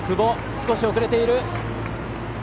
少し遅れている。